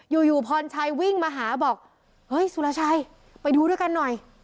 อยู่อยู่พรชัยวิ่งมาหาบอกเฮ้ยสุรชัยไปดูด้วยกันหน่อย